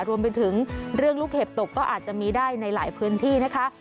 รวมไปถึงเรื่องลูกเห็บตกก็อาจจะมีได้ในหลายพื้นที่นะคะ